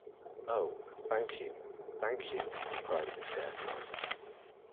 Oh, thank you — thank you! cried the Scarecrow.